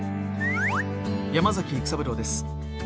山崎育三郎です。